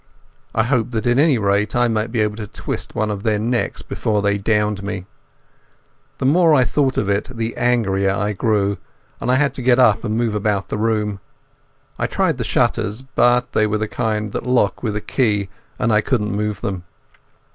I hoped that at any rate I might be able to twist one of their necks before they downed me. The more I thought of it the angrier I grew, and I had to get up and move about the room. I tried the shutters, but they were the kind that lock with a key, and I couldn't move them.